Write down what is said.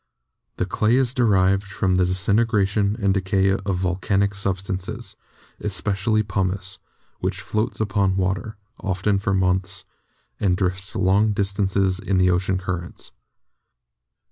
The clay is derived from the disin tegration and decay of volcanic substances, especially pumice, which floats upon water, often for months, and drifts long distances in the ocean currents.